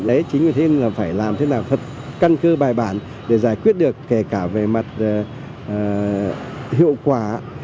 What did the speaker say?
đấy chính vì thế là phải làm thế nào thật căn cứ bài bản để giải quyết được kể cả về mặt hiệu quả